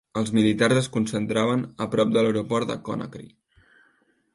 Els militars es concentraren a prop de l'aeroport de Conakry.